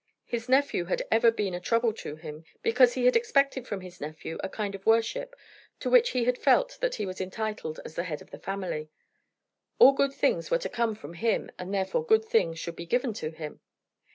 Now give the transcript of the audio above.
His nephew had ever been a trouble to him, because he had expected from his nephew a kind of worship to which he had felt that he was entitled as the head of the family. All good things were to come from him, and therefore good things should be given to him.